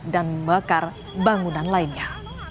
dan membakar bangunan lainnya